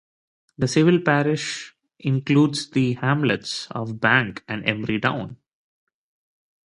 The civil parish includes the hamlets of Bank and Emery Down.